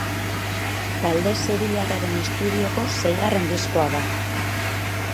Talde sevillarraren estudioko seigarren diskoa da.